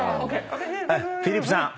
フィリップさん。